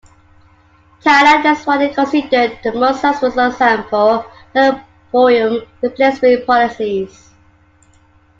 Thailand is widely considered the most successful example of opium replacement policies.